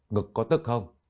ngực có tức không